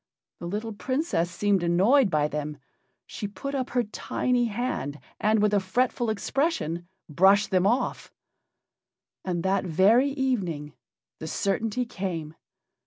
The little Princess seemed annoyed by them. She put up her tiny hand and, with a fretful expression, brushed them off. And that very evening the certainty came.